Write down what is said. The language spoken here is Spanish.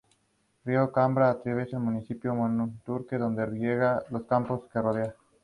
Se alimentan de pequeños invertebrados bentónicos.